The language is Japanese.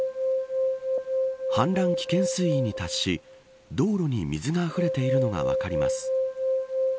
氾濫危険水位に達し道路に水があふれているのが分かります。